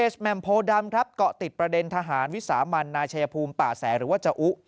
ก็ติดประเด็นทหารวิสามันนายชัยภูมิป่าแสหรือว่าเจ้าอุ